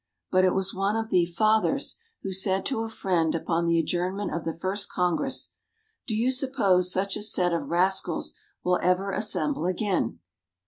But it was one of the "fathers" who said to a friend upon the adjournment of the first Congress, "Do you suppose such a set of rascals will ever assemble again?"